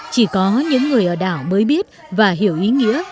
chỉ có những người ở đảo mới biết và hiểu ý nghĩa